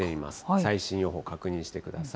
最新予報確認してください。